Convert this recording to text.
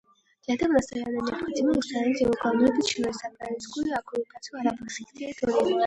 Для этого настоятельно необходимо устранить его главную причину — израильскую оккупацию арабских территорий.